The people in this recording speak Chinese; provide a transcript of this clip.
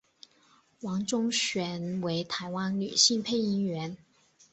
王中璇为台湾女性配音员。